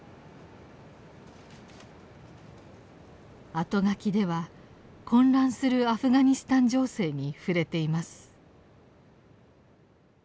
あとがきでは混乱するアフガニスタン情勢に触れています。